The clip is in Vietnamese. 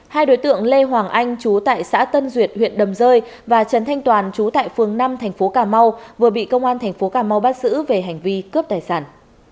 hai đối tượng lê hoàng anh chú tại xã tân duyệt huyện đầm rơi và trần thanh toàn chú tại phường năm thành phố cà mau vừa bị công an thành phố cà mau bắt giữ về hành vi cướp tài sản